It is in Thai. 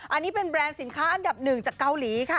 อันนี้เป็นแบรนด์สินค้าอันดับหนึ่งจากเกาหลีค่ะ